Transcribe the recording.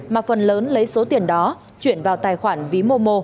mà phần lớn lấy số tiền đó chuyển vào tài khoản ví momo